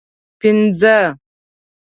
پنځه